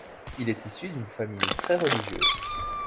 Il est issu d'une famille très religieuse.